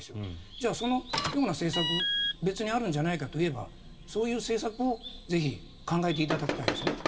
じゃあ、そのような政策別にあるんじゃないかといえばそういう政策をぜひ考えていただきたいですね。